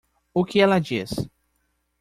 O que ela diz?